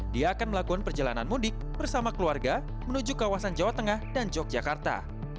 dia akan melakukan perjalanan mudik bersama keluarga menuju kawasan jawa tengah dan yogyakarta